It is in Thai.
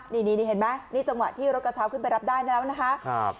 นี่เห็นไหมนี่จังหวะที่รถกระเช้าขึ้นไปรับได้แล้วนะคะ